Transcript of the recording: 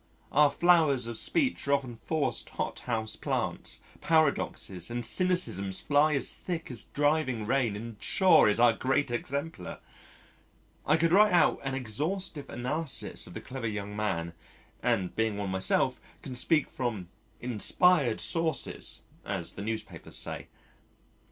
Our flowers of speech are often forced hot house plants, paradoxes and cynicisms fly as thick as driving rain and Shaw is our great exemplar. I could write out an exhaustive analysis of the clever young man, and being one myself can speak from "inspired sources" as the newspapers say.